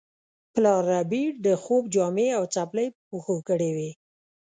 پلار ربیټ د خوب جامې او څپلۍ په پښو کړې وې